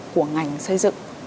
của ngành xây dựng